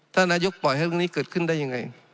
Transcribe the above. นายกปล่อยให้เรื่องนี้เกิดขึ้นได้ยังไง